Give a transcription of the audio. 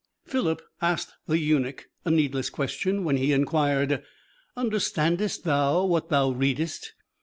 Philip asked the eunuch a needless question when he inquired, "Understandest thou what thou readest?"